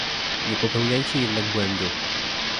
Nie popełniajcie jednak błędu